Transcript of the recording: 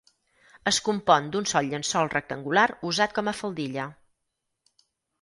Es compon d'un sol llençol rectangular usat com a faldilla.